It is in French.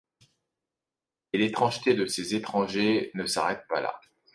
Et l'étrangeté de ces étrangers ne s'arrête pas là.